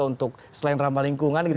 untuk selain ramah lingkungan